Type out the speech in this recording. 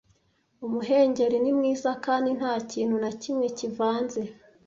umuhengeri ni mwiza kandi ntakintu na kimwe kivanze